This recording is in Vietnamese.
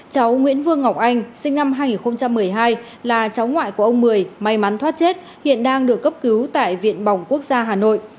cháu nguyễn vương ngọc anh sinh năm hai nghìn một mươi hai là cháu ngoại của ông mười may mắn thoát chết hiện đang được cấp cứu tại viện bỏng quốc gia hà nội